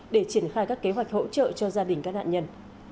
để triển khai các kế hoạch hỗ trợ cho gia đình các nạn nhân